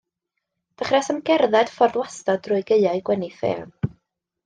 Dechreuasom gerdded ffordd wastad drwy gaeau gwenith eang.